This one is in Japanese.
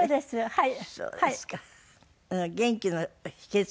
はい。